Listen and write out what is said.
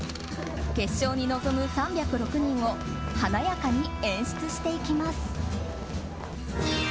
決勝に臨む３０６人を華やかに演出していきます。